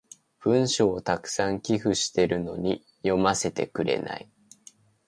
文章を沢山寄付してるのに読ませてくれない。